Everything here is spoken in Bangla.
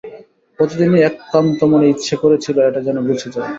প্রতিদিনই একান্তমনে ইচ্ছে করেছিল এটা যেন ঘুচে যায়।